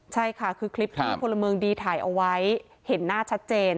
ใช่ค่ะคือคลิปที่พลเมืองดีถ่ายเอาไว้เห็นหน้าชัดเจน